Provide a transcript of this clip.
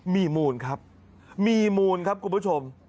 มีมูลครับมีมูลครับคุณผู้ชม